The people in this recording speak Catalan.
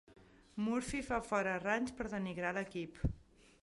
Murphy fa fora Ranch per denigrar l'equip.